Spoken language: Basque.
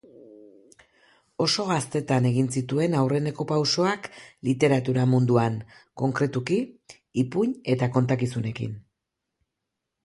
Oso gaztetan egin zituen aurreneko pausoak literatura munduan, konkretuki ipuin eta kontakizunekin.